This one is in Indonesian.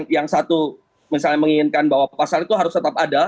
yang satu misalnya menginginkan bahwa pasal itu harus tetap ada